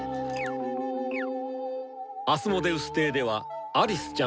アスモデウス邸では「アリスちゃん